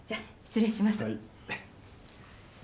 失礼します。